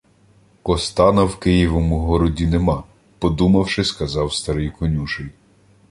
— Костана в Києвому городі нема, — подумавши, сказав старий конюший.